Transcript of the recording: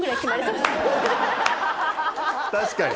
確かに。